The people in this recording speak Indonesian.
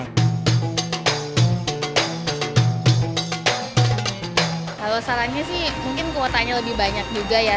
kalau sarannya sih mungkin kuotanya lebih banyak juga ya